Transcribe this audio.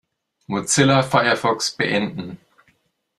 Mozilla Firefox beenden.